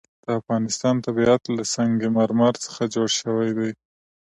د افغانستان طبیعت له سنگ مرمر څخه جوړ شوی دی.